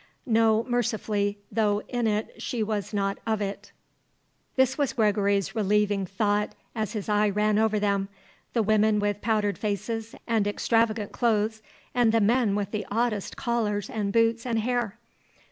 No, mercifully, though in it she was not of it. This was Gregory's relieving thought as his eye ran over them, the women with powdered faces and extravagant clothes and the men with the oddest collars and boots and hair.